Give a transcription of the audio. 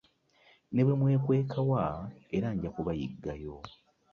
Ne bwe mwekweka wa era nja kubayiggayo.